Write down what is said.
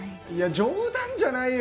冗談じゃないよ。